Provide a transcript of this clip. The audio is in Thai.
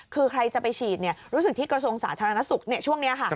คือใครจะไปฉีดรู้สึกที่กระทรวงสาธารณสุขช่วงนี้ค่ะ